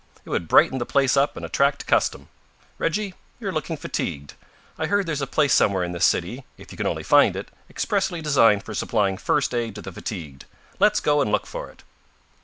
It would brighten the place up and attract custom. Reggie, you're looking fatigued. I've heard there's a place somewhere in this city, if you can only find it, expressly designed for supplying first aid to the fatigued. Let's go and look for it."